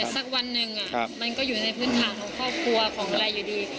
สักวันหนึ่งมันก็อยู่ในพื้นฐานของครอบครัวของอะไรอยู่ดี